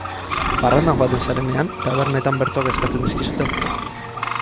Parrandan joaten zarenean, tabernetan bertsoak eskatzen dizkizute?